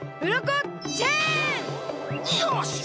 よし！